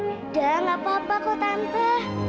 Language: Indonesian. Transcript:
udah gak apa apa kok tante